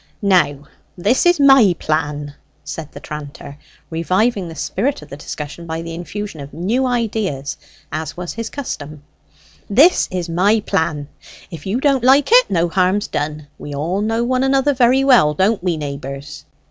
"Now, this is my plan," said the tranter, reviving the spirit of the discussion by the infusion of new ideas, as was his custom "this is my plan; if you don't like it, no harm's done. We all know one another very well, don't we, neighbours?"